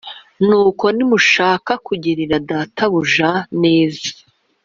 Nuko nimushaka kugirira databuja neza